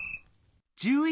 １１